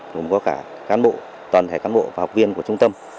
cũng có cả toàn thể cán bộ và học viên của trung tâm